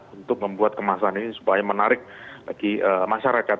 untuk membuat kemasan ini supaya menarik bagi masyarakat